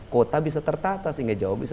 kota bisa tertata sehingga